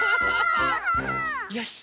よし！